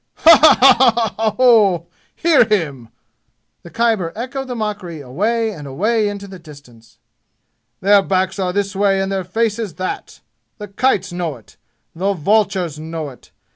"Ha ha ha ha ha ho! Hear him!" The Khyber echoed the mockery away and away into the distance. "Their backs are this way and their faces that! The kites know it! The vultures know it!